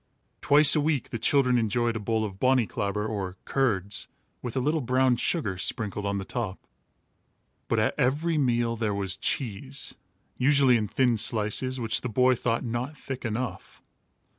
Twice a week the children enjoyed a bowl of bonnyclabber or curds, with a little brown sugar sprinkled on the top. But at every meal there was cheese, usually in thin slices, which the boy thought not thick enough.